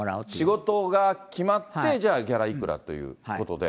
仕事が決まって、じゃ、ギャラいくらということで。